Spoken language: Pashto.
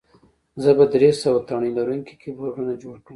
زه به درې سوه تڼۍ لرونکي کیبورډونه جوړ کړم